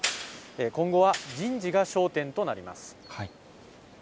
今後は人事が焦点となります。